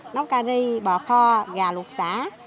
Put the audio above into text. nấu cà ri bò kho gà luộc sả